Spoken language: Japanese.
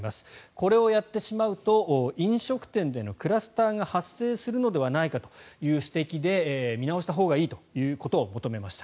これをやってしまうと飲食店でのクラスターが発生するのではないかという指摘で見直したほうがいいということを求めました。